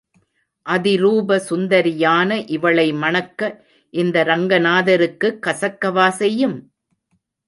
அதிரூப சுந்தரியான இவளை மணக்க இந்த ரங்கநாதருக்குக் கசக்கவா செய்யும்?